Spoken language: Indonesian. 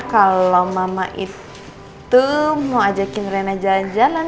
kalau mama itu mau ajakin rena jalan jalan